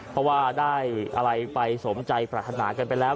เพราะว่าได้อะไรไปสมใจปรารถนากันไปแล้ว